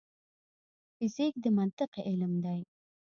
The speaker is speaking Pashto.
فزیک د منطق علم دی